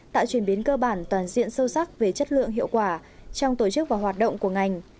tạo chuyển biến cơ bản toàn diện sâu sắc về chất lượng hiệu quả trong tổ chức và hoạt động của ngành